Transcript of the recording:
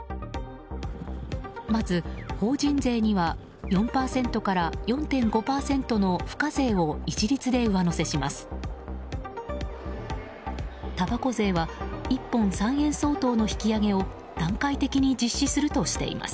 まず、法人税には４％から４．５％の付加税を一律で上乗せします。